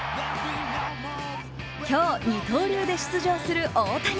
今日、二刀流で出場する大谷。